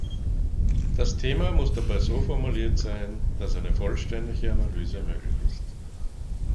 Das Thema muss dabei so formuliert sein, dass eine vollständige Analyse möglich ist.